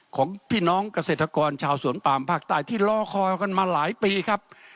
ของพี่น้องเกษตรกรชาวสวนปามภาคใต้ที่รอคอยกันมาหลายปีครับ